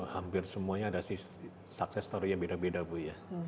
hampir semuanya ada sih sukses story nya beda beda bu ya